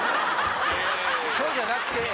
そうじゃなくて。